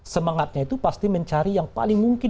semangatnya itu pasti mencari yang paling mungkin